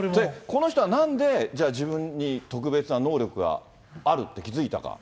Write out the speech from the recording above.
この人はなんで自分に特別な能力があるって気付いたか。